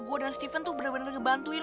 sama seperti keluarga aku